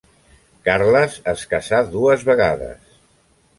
Carles es casà dues vegades.